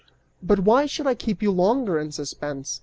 "But why should I keep you longer in suspense?